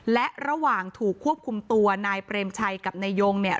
และระหว่างถูกควบคุมตัวนายเปรมชัยกับนายยงเนี่ย